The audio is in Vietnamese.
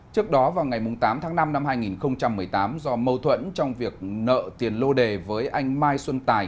trước đó vào ngày tám tháng năm năm hai nghìn một mươi tám do mâu thuẫn trong việc nợ tiền lô đề với anh mai xuân tài